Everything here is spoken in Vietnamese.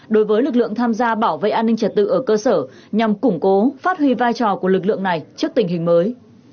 đối với lực lượng tham gia bảo vệ an ninh trật tự ở cơ sở nhằm củng cố phát huy vai trò của lực lượng này trước tình hình mới